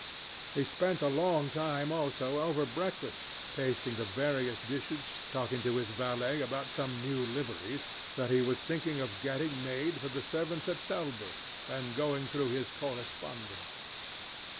He spent a long time also over breakfast, tasting the various dishes, talking to his valet about some new liveries that he was thinking of getting made for the servants at Selby, and going through his correspondence.